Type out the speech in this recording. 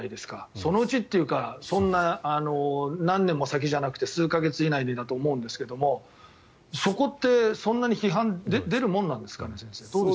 そのうちというか何年も先じゃなくて数か月以内でだと思うんですけどそこって、そんなに批判が出るものなんですかね。